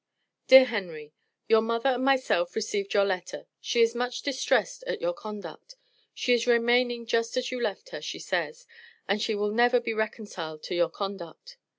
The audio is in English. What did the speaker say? DEAR HENRY: Your mother and myself received your letter; she is much distressed at your conduct; she is remaining just as you left her, she says, and she will never be reconciled to your conduct.